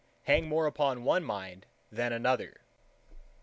hang more upon one mind than another.